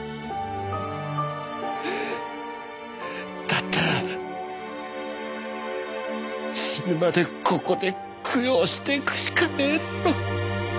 だったら死ぬまでここで供養していくしかねえだろ。